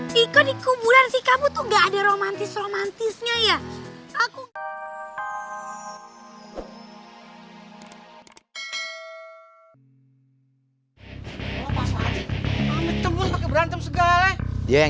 diko dikubur sih kamu tuh gak ada romantis romantisnya ya